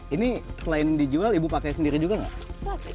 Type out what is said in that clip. ini selain dijual ibu pakai sendiri juga nggak